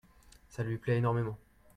Ça lui plait énormément.